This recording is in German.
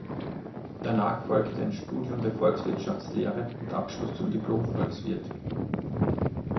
Danach folgte ein Studium der Volkswirtschaftslehre mit Abschluss zum Diplom-Volkswirt.